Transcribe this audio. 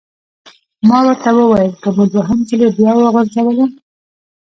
ما ورته وویل: که مو دوهم ځلي بیا وغورځولم!